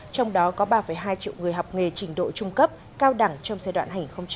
trong đó có ba hai triệu người học nghề trình độ trung cấp cao đẳng trong giai đoạn hai nghìn một mươi một hai nghìn hai mươi